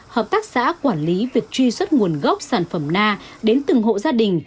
hợp tác xã quản lý việc truy xuất nguồn gốc sản phẩm na đến từng hộ gia đình